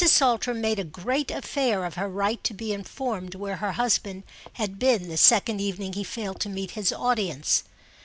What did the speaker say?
SALTRAM made a great affair of her right to be informed where her husband had been the second evening he failed to meet his audience.